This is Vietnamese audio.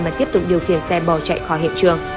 mà tiếp tục điều khiển xe bò chạy khỏi hệ trường